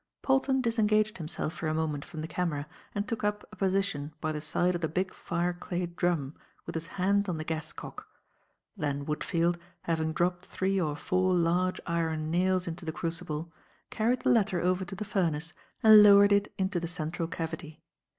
Polton disengaged himself for a moment from the camera, and took up a position by the side of the big fireclay drum with his hand on the gas cock. Then Woodfield, having dropped three or four large iron nails into the crucible, carried the latter over to the furnace and lowered it into the central cavity.